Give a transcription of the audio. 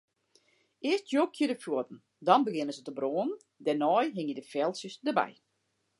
Earst jokje de fuotten, dan begjinne se te brânen, dêrnei hingje de feltsjes derby.